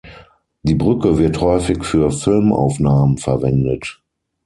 Die Brücke wird häufig für Filmaufnahmen verwendet.